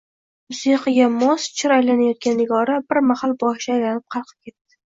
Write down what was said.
Musiqaga mos chir aylanyotgan Nigora bir mahal boshi aylanib qalqib ketdi